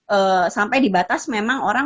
ee sampai dibatas memang orang